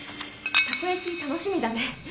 たこやき楽しみだね。